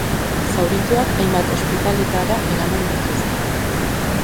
Zaurituak hainbat ospitaleetara eraman dituzte.